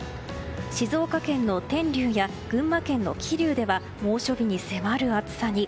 静岡県の天竜や群馬県の桐生では猛暑日に迫る暑さに。